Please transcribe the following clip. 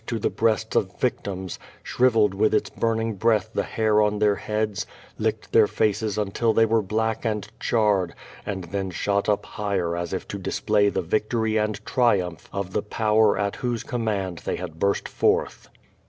to the breasts of victims, shriveled with its burning breath the hair on their heads, licked their faces until they were black and charred, and then shot up higher as if to display the victory and tri umph of the power at whose command they had burst forth.